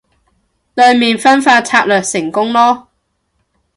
對面分化策略成功囉